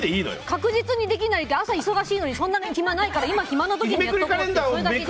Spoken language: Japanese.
確実にできないって朝忙しいのにそんな暇ないから今、暇なときにやっておこうって。